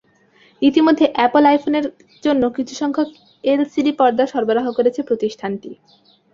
ইতিমধ্যে অ্যাপল আইফোনের জন্য কিছুসংখ্যক এলসিডি পর্দা সরবরাহ করেছে প্রতিষ্ঠানটি।